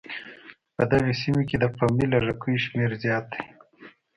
په دغې سيمې کې د قومي لږکيو شمېر زيات دی.